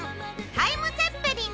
タイムツェッペリン？